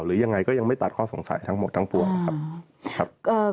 หรือยังไงก็ยังไม่ตัดข้อสงสัยทั้งหมดทั้งปวงนะครับ